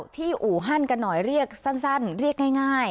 อู่ฮั่นกันหน่อยเรียกสั้นเรียกง่าย